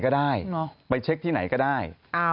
ทำไมจะไม่ได้